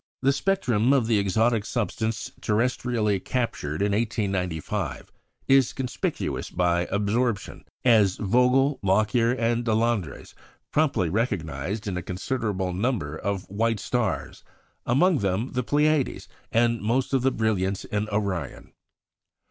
The spectrum of the exotic substance terrestrially captured in 1895 is conspicuous by absorption, as Vogel, Lockyer, and Deslandres promptly recognised in a considerable number of white stars, among them the Pleiades and most of the brilliants in Orion.